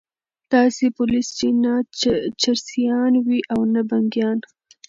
داسي پولیس چې نه چرسیان وي او نه بنګیان